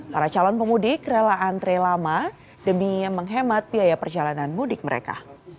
para calon pemudik rela antre lama demi menghemat biaya perjalanan mudik mereka